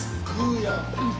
うん。